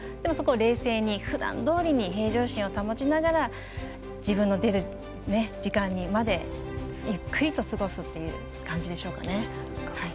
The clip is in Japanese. そこを冷静にふだんどおりに平常心を保ちながら自分の出る時間までゆっくりと過ごすという感じでしょうかね。